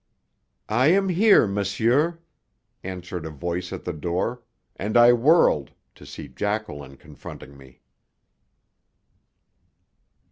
"I am here, monsieur," answered a voice at the door; and I whirled, to see Jacqueline confronting me.